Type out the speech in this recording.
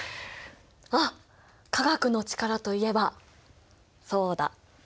あっ化学の力といえばそうだ。